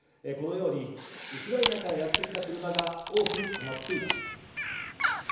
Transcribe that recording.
このようにウクライナからやってきた車が多く止まっています